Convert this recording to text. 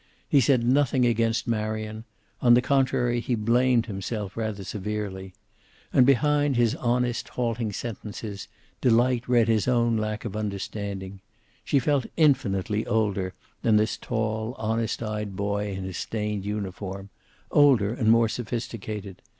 He said nothing against Marion; on the contrary, he blamed himself rather severely. And behind his honest, halting sentences, Delight read his own lack of understanding. She felt infinitely older than this tall, honest eyed boy in his stained uniform older and more sophisticated.